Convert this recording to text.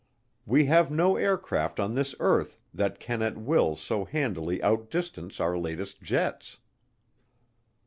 We have no aircraft on this earth that can at will so handily outdistance our latest jets.